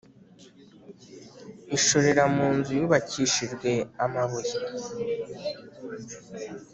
ishorera mu nzu yubakishijwe amabuye